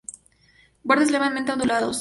Bordes levemente ondulados.